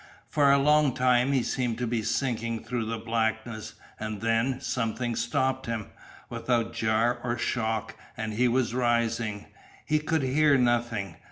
For a long time he seemed to be sinking through the blackness; and then something stopped him, without jar or shock, and he was rising. He could hear nothing.